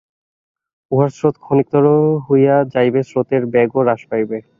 উহার স্রোত ক্ষীণতর হইয়া যাইবে, স্রোতের বেগও হ্রাস পাইবে।